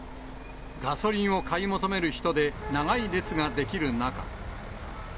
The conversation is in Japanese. ガソリンを買い求める人で長い列が出来る中。